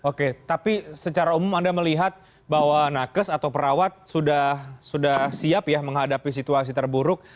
oke tapi secara umum anda melihat bahwa nakes atau perawat sudah siap ya menghadapi situasi terburuk